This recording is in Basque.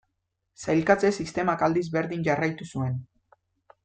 Sailkatze sistemak aldiz berdin jarraitu zuen.